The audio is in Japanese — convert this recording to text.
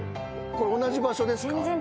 これ同じ場所ですか？